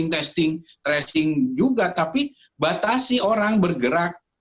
testing tracing juga tapi batasi orang bergerak